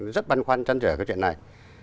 rất băn khoăn chăn trở cái chuyện này